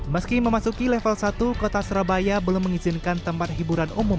meski memasuki level satu kota surabaya belum mengizinkan tempat hiburan umum